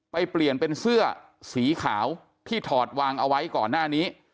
เปลี่ยนเป็นเสื้อสีขาวที่ถอดวางเอาไว้ก่อนหน้านี้